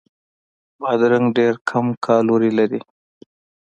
بادرنګ ډېر کم کالوري لري.